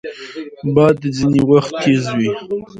باد ځینې وخت تیز وي